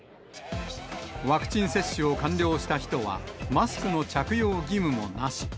ワクチン接種を完了した人は、マスクの着用義務もなし。